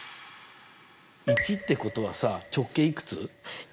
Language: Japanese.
１ってことはさ直径いくつ？